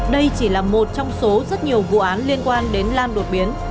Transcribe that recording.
đây chỉ là một trong số rất nhiều vụ án liên quan đến lam đột biến